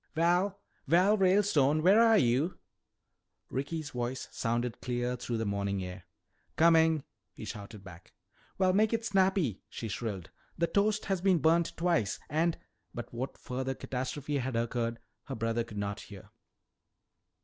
"Val! Val Ralestone! Where are you?" Ricky's voice sounded clear through the morning air. "Coming!" he shouted back. "Well, make it snappy!" she shrilled. "The toast has been burnt twice and " But what further catastrophe had occurred her brother could not hear.